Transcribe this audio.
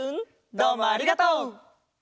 どうもありがとう。